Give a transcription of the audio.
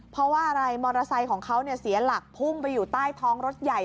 เพราะว่าอะไรมอเตอร์ไซค์ของเขาเสียหลักพุ่งไปอยู่ใต้ท้องรถใหญ่